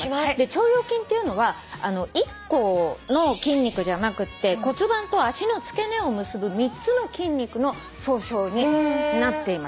腸腰筋っていうのは１個の筋肉じゃなくって骨盤と足の付け根を結ぶ３つの筋肉の総称になっています。